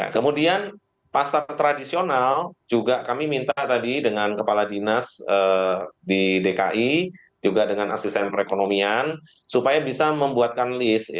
kemudian pasar tradisional juga kami minta tadi dengan kepala dinas di dki juga dengan asisten perekonomian supaya bisa membuatkan list